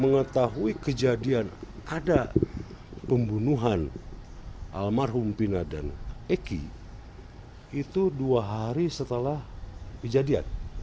mengetahui kejadian ada pembunuhan almarhum pina dan eki itu dua hari setelah kejadian